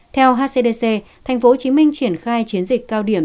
theo acdc tp hcm triển khai chiến dịch cao điểm